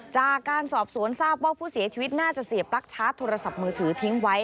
จากการสอบสวนทราบว่าผู้เสียชีวิตน่าจะเสียปลั๊กชาร์จโทรศัพท์มือถือทิ้งไว้